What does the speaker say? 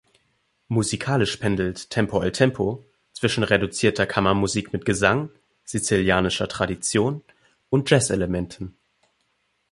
Musikalisch pendelt "tempo al tempo" zwischen reduzierter Kammermusik mit Gesang, sizilianischer Tradition und Jazzelementen.